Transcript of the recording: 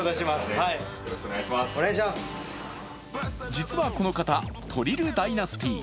実はこの方トリル・ダイナスティ。